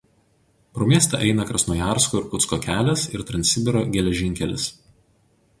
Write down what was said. Pro miestą eina Krasnojarsko–Irkutsko kelias ir Transsibiro geležinkelis.